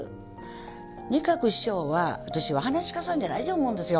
仁鶴師匠は私ははなし家さんじゃないと思うんですよ。